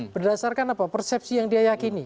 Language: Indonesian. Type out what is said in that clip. berdasarkan apa persepsi yang dia yakini